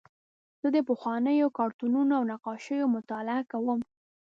زه د پخوانیو کارتونونو او نقاشیو مطالعه کوم.